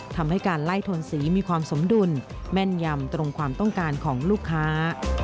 ทำให้การไล่ทนสีมีความสมดุลแม่นยำตรงความต้องการของลูกค้า